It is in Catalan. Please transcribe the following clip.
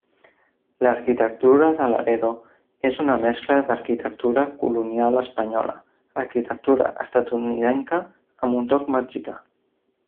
L'arquitectura de Laredo és una mescla d'arquitectura colonial espanyola, arquitectura estatunidenca amb un toc mexicà.